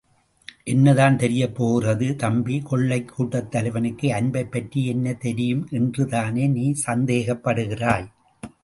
ஏன்தான் தெரியப் போகிறது? தம்பி, கொள்ளைக் கூட்டத் தலைவனுக்கு அன்பைப் பற்றி என்ன தெரியும் என்றுதானே நீ சந்தேகப்படுகிறாய்?